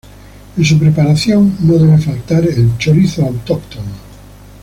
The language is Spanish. En su preparación no debe faltar el chorizo autóctono.